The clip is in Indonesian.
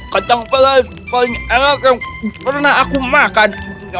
kacang pedas paling enak yang pernah aku makan